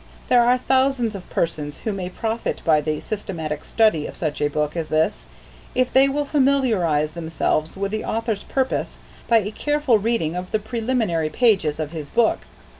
There are thousands of persons who may profit by the systematic study of such a book as this if they will familiarize themselves with the author's purpose by a careful reading of the preliminary pages of his book.